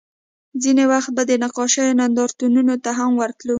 ځینې وخت به د نقاشیو نندارتونونو ته هم ورتلو